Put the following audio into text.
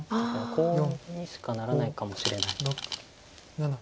コウにしかならないかもしれない。